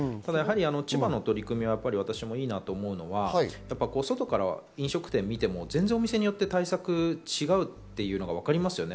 千葉の取り組み、私もいいなと思うのは、外からは飲食店を見ても店によって対策が全然違っていうのは分かりますよね。